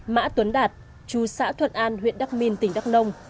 mã tuấn đạt chú xã thuận an huyện đắc minh tỉnh đắk nông